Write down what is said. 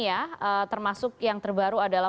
ya termasuk yang terbaru adalah